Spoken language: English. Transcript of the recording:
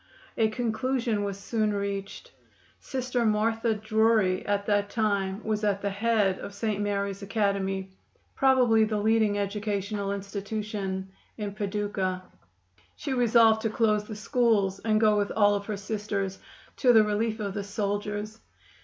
A conclusion was soon reached. Sister Martha Drury at that time was at the head of St. Mary's Academy, probably the leading educational institution in Paducah. She resolved to close the schools and go with all of her Sisters to the relief of the soldiers.